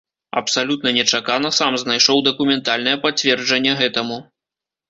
Абсалютна нечакана сам знайшоў дакументальнае пацверджанне гэтаму.